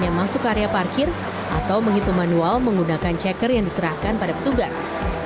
yang masuk ke area parkir atau menghitung manual menggunakan checker yang diserahkan pada petugas